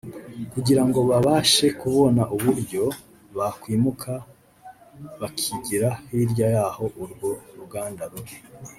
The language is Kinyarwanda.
kugira ngo babashe kubona uburyo bakwimuka bakigira hirya yaho urwo ruganda ruri